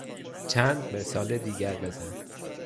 چند مثال دیگر بزن.